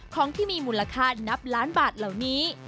ของที่มีมูลค่านับล้านบาทเหล่านี้